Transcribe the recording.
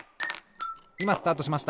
いまスタートしました。